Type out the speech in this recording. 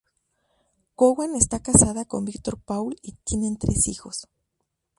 Cowan está casada con Víctor Paul y tienen tres hijos.